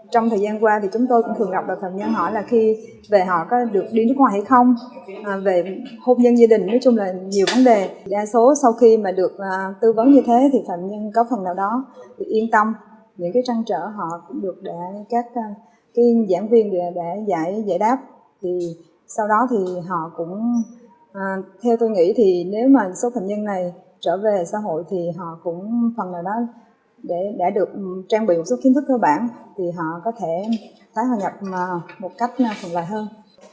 trở về xã hội thì họ cũng phần nào đó đã được trang bị một số kiến thức cơ bản thì họ có thể tái hòa nhập một cách phần lại hơn